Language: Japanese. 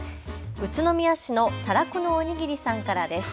宇都宮市のたらこのおにぎりさんからです。